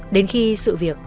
đến khi sự việc